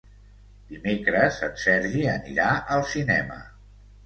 Dimecres en Sergi anirà al cinema.